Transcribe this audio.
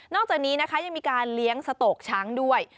จากนี้นะคะยังมีการเลี้ยงสโตกช้างด้วย